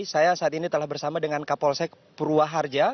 saya saat ini telah bersama dengan kapolsek purwaharja